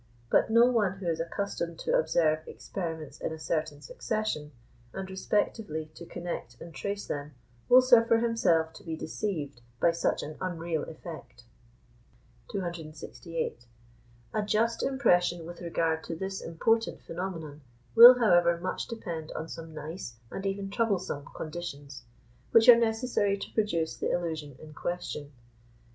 But no one who is accustomed to observe experiments in a certain succession, and respectively to connect and trace them, will suffer himself to be deceived by such an unreal effect. 268. A just impression with regard to this important phenomenon will, however, much depend on some nice and even troublesome conditions, which are necessary to produce the illusion in question.